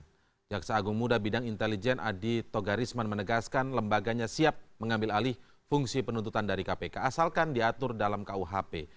jaksa agung muda bidang intelijen adi togarisman menegaskan lembaganya siap mengambil alih fungsi penuntutan dari kpk asalkan diatur dalam kuhp